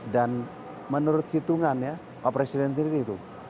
dan menurut hitungannya pak presiden sendiri itu